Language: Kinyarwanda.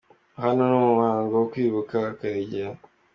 Hano ni mumuhango wo kwibuka Karegeya